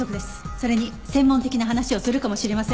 それに専門的な話をするかもしれません。